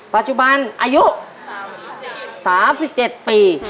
ปัจจุบันอายุสามสิบเจ็ดปี